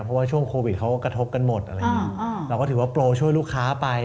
เพราะว่าช่วงโควิดเขากระทบกันหมดอะไรอย่างนี้เราก็ถือว่าโปรช่วยลูกค้าไป